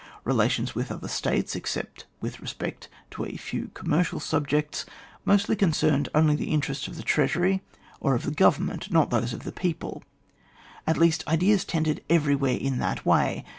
Belations with other states, except with respect to a few commercial subjects, mostly concerned only the interests of the treasury or of the • government, not those of the people ; at least ideas tended everywhere in that way.